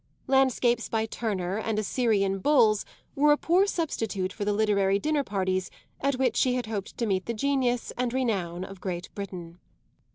Landscapes by Turner and Assyrian bulls were a poor substitute for the literary dinner parties at which she had hoped to meet the genius and renown of Great Britain.